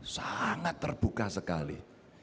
sangat terbuka sekali